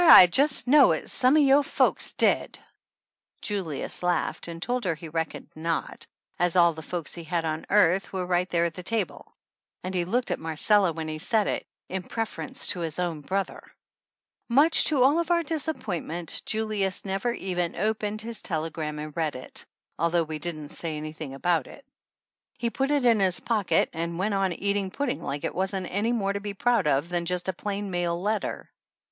I jes' know it's some of yo' folks dead !" 115 THE ANNALS OF ANN Julius laughed and told her he reckoned not, as all the folks he had on earth were right there at the table, and he looked at Marcella when he said it in preference to his own brother ! Much to all of our disappointment Julius never even opened his telegram and read it, although we didn't say anything about it. He put it in his pocket and went on eating pudding like it wasn't any more to be proud of than just a plain mail letter.